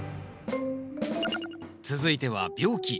続いては病気。